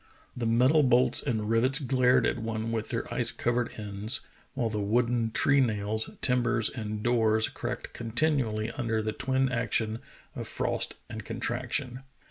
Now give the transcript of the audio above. The metal bolts and rivets glared at one with their ice covered ends, while the wooden tree nails, timbers, and doors cracked continually under the twin action of frost 107 io8 True Tales of Arctic Heroism and contraction.